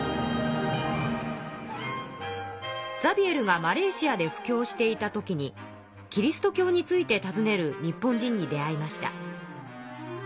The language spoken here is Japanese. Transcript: ザビエルがマレーシアで布教していた時にキリスト教についてたずねる日本人に出会いました。